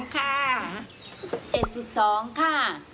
๗๒ค่ะ